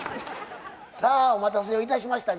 さあお待たせをいたしました